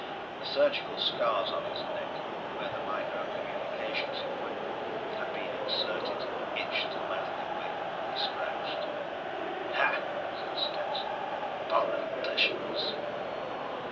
The surgical scars on his neck where the micro communications equipment had been inserted itched maddeningly. He scratched. "Hah!" said Stetson. "Politicians!"